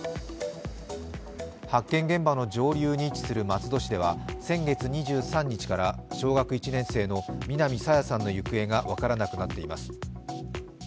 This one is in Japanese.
発見現場の上流に位置する松戸市では先月２３日から小学１年生の南朝芽さんの行方が分からなくなっています。